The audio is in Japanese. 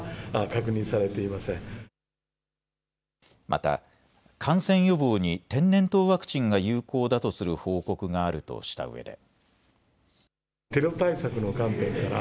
また感染予防に天然痘ワクチンが有効だとする報告があるとしたうえで。